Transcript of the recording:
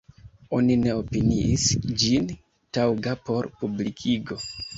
Oni ne opiniis ĝin taŭga por publikigo.